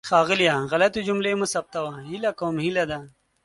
ښاغلیه! غلطې جملې مه ثبتوه. هیله کوم هیله ده.